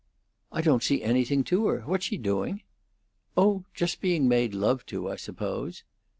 "I don't see anything to her. What's she doing?" "Oh, just being made love to, I suppose."